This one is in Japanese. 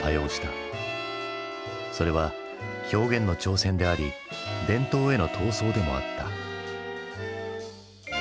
それは表現の挑戦であり伝統への闘争でもあった。